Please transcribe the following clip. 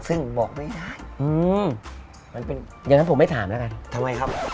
ซึ่งบอกไม่ได้อืมมันเป็นอย่างนั้นผมไม่ถามแล้วกันทำไมครับ